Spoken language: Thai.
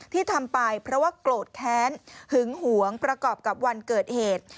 ที่ทำไปเพราะว่าโกรธแค้นหึงหวงประกอบกับวันเกิดเหตุ